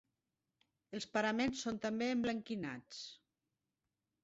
Els paraments són també emblanquinats.